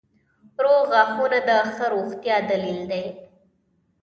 • روغ غاښونه د ښه روغتیا دلیل دی.